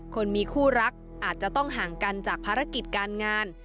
คนมีคู่รักอาจจะต้องห่างกันจากภารกิจการงาน